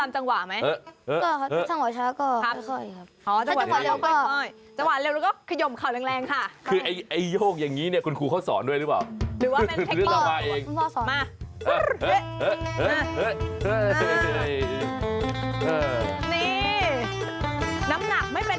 มันจะไม่ได้แข้งขามันไม่ค่อยดี